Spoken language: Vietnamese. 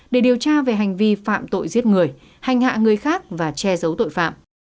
để điều tra về hành vi phạm tội giết người hành hạ người khác và che giấu tội phạm